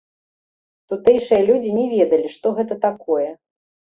Тутэйшыя людзі не ведалі, што гэта такое.